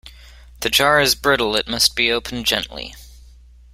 The jar is brittle it must be opened gently.